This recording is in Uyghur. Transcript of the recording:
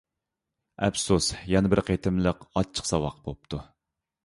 ئەپسۇس، يەنە بىر قېتىملىق ئاچچىق ساۋاق بوپتۇ.